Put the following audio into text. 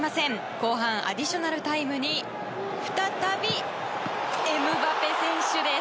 後半アディショナルタイムに再びエムバペ選手です。